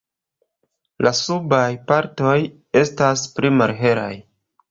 La subaj partoj estas pli malhelaj.